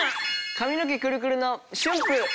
髪の毛くるくるのシュンぷぅ。